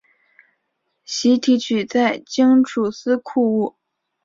徙提举在京诸司库务。